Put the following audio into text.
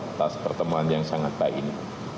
atas pertemuan yang sangat baik ini